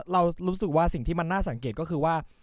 เรารู้สึกว่าสิ่งที่มันน่าสังเกตก็คือว่า